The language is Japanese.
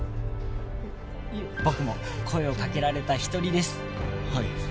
僕も声をかけられた一人です